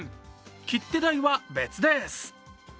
切手代は別でーす。